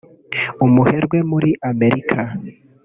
umuherwe muri Amerika